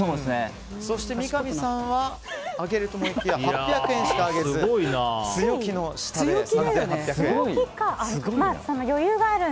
そして三上さんは上げると思いきや８００円しか上げず強気の下で３８００円。